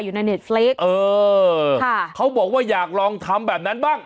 ในเน็ตฟลิกเออค่ะเขาบอกว่าอยากลองทำแบบนั้นบ้าง